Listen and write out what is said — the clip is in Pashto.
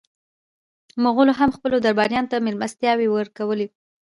مغولو هم خپلو درباریانو ته مېلمستیاوې ورکولې.